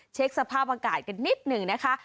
เช็คสภาพอากาศกันนิดหนึ่งนะคะ